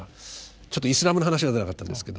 ちょっとイスラムの話が出なかったんですけども。